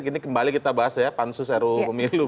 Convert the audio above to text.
ini kembali kita bahas ya pansus ruu pemilu